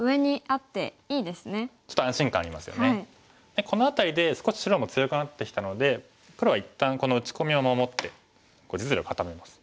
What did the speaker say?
でこの辺りで少し白も強くなってきたので黒は一旦この打ち込みを守って実利を固めます。